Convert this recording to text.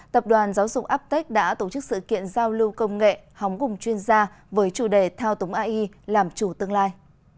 tập đoàn giáo dục aptec đã tổ chức sự kiện giao lưu công nghệ hóng cùng chuyên gia với chủ đề thao túng ai làm chủ tương lai